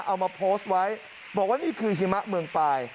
เอามาโพสต์ไว้บอกว่านี่คือหิมะเมืองปลาย